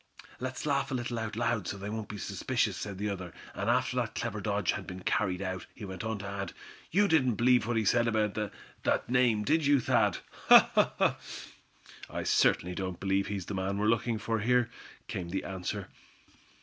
"Let's laugh a little, out loud, so they won't be suspicious," said the other; and after that clever dodge had been carried out, he went on to add: "you didn't believe what he said about that name, did you, Thad?" "I certainly don't believe he's the man we're looking for up here," came the answer.